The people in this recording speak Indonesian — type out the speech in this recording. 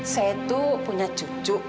saya tuh punya cucu